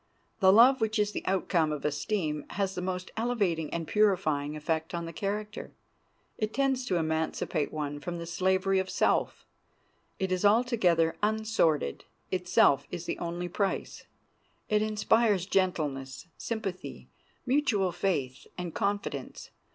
The love which is the outcome of esteem has the most elevating and purifying effect on the character. It tends to emancipate one from the slavery of self. It is altogether unsordid; itself is the only price. It inspires gentleness, sympathy, mutual faith, and confidence.